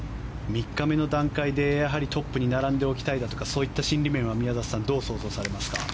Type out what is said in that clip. ３日目の段階で、やはりトップに並んでおきたいだとかそういった心理面は宮里さんどう想像されますか？